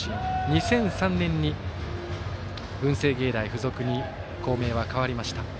２００３年に文星芸大付属に校名は代わりました。